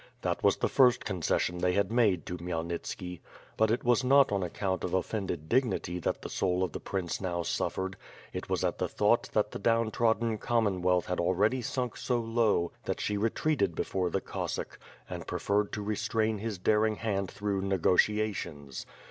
That was the first concession they had made toKhmyelnitski. But it was not on account of offended dignity that the soul of the prince now suffered, it was at the thought that the downtrodden Commonwealth had already sunk so low that she retreated before the Cossack, and preferred to restrain his daring hand through negotiations.